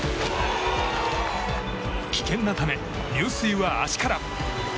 危険なため入水は足から。